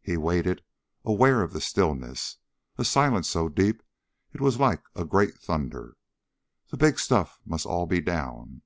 He waited, aware of the stillness, a silence so deep it was like a great thunder. The big stuff must all be down.